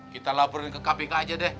kita laporin ke kpk aja deh